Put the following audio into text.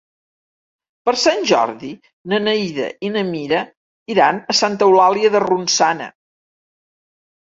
Per Sant Jordi na Neida i na Mira iran a Santa Eulàlia de Ronçana.